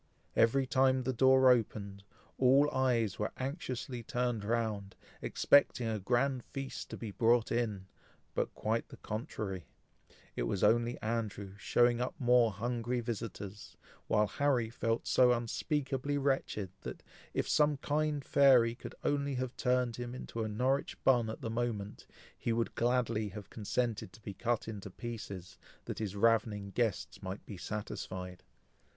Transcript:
Every time the door opened, all eyes were anxiously turned round, expecting a grand feast to be brought in; but quite the contrary it was only Andrew showing up more hungry visitors; while Harry felt so unspeakably wretched, that, if some kind fairy could only have turned him into a Norwich bun at the moment, he would gladly have consented to be cut in pieces, that his ravenous guests might be satisfied.